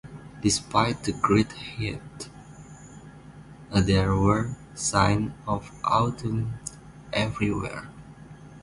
Despite the great heat, there were signs of autumn everywhere.